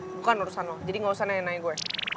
bukan urusan lu jadi gak usah nanya nanya gue